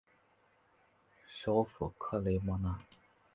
首府克雷莫纳。